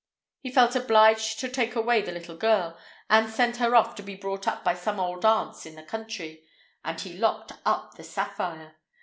He felt obliged to take away the little girl, and send her off to be brought up by some old aunts in the country, and he locked up the sapphire.